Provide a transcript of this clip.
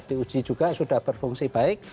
diuji juga sudah berfungsi baik